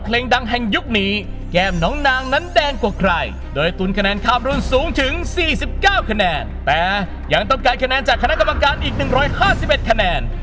กลายคะแนนจากคณะกำลังการอีก๑๕๑คะแนน